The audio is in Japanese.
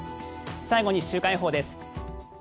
最後に週間予報です。